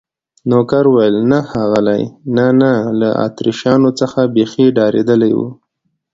نوکر وویل: نه ښاغلي، نه، نه، له اتریشیانو څخه بیخي ډارېدلی و.